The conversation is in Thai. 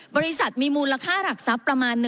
บริษัทมีมูลค่ารักษะประมาณ